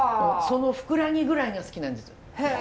そのフクラギぐらいが好きなんですよ。